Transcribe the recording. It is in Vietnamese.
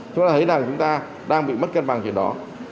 chúng ta thấy rằng chúng ta đang bị mất cân bằng chuyện đó